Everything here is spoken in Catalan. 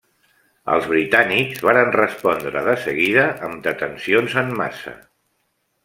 Els britànics varen respondre de seguida amb detencions en massa.